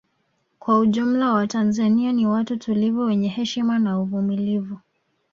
Kwa ujumla watanzania ni watu tulivu wenye heshima na uvumulivu